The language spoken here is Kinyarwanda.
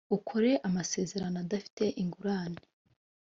ukore amasezerano adafite ingurane.